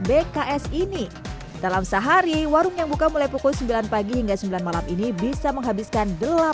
bks ini dalam sehari warung yang buka mulai pukul sembilan pagi hingga sembilan malam ini bisa menghabiskan